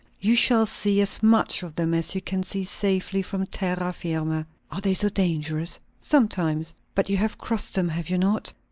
"You shall see as much of them as you can see safely from terra firma." "Are they so dangerous?" "Sometimes." "But you have crossed them, have you not?"